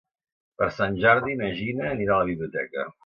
Per Sant Jordi na Gina anirà a la biblioteca.